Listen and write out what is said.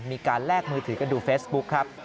แลกมือถือกันดูเฟซบุ๊คครับ